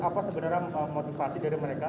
apa sebenarnya motivasi dari mereka